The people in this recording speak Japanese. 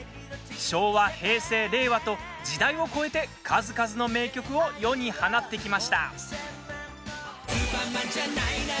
昭和、平成、令和と時代を超えて数々の名曲を世に放ってきました。